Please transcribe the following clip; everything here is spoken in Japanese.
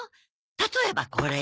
例えばこれ。